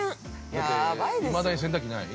◆だって、いまだに洗濯機ない？